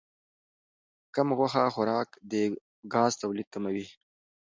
کم غوښه خوراک د ګاز تولید کموي.